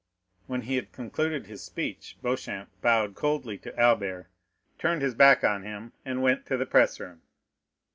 When he had concluded his speech, Beauchamp bowed coldly to Albert, turned his back upon him, and went to the press room.